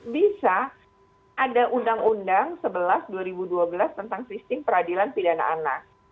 bisa ada undang undang sebelas dua ribu dua belas tentang sistem peradilan pidana anak